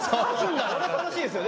そりゃ楽しいですよね。